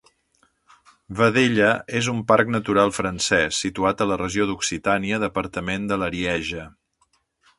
Vedelha és un parc natural francès, situat a la regió d'Occitània, departament de l'Arieja.